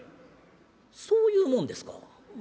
「そういうもんですか。